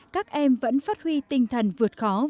các em vẫn phát huy tinh thần vượt khóa